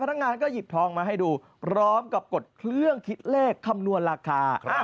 พนักงานก็หยิบทองมาให้ดูพร้อมกับกดเครื่องคิดเลขคำนวณราคา